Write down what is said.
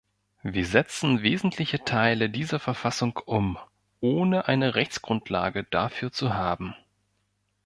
Wir setzen wesentliche Teile dieser Verfassung um, ohne eine Rechtsgrundlage dafür zu haben.